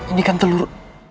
ini kan telur